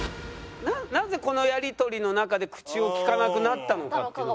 なぜこのやり取りの中で口を利かなくなったのかっていうのがね。